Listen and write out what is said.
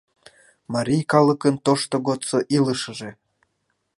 МАРИЙ КАЛЫКЫН ТОШТО ГОДСО ИЛЫШЫЖЕ